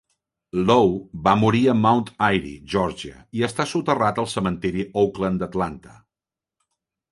Lowe va morir a Mount Airy, Geòrgia, i està soterrat al cementiri Oakland d'Atlanta.